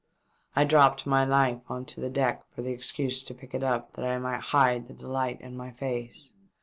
I dropped my knife on to the deck for the excuse to pick it up that I might hide the delight in my face.